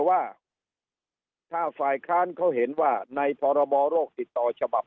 ว่าถ้าฝ่ายค้านเขาเห็นว่าในพรบโรคติดต่อฉบับ